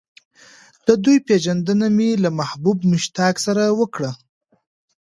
د دوی پېژندنه مې له محبوب مشتاق سره وکړه.